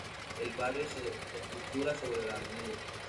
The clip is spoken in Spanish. El barrio se estructura sobre la Av.